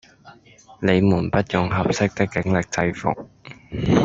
你們不用「合適」的警力制服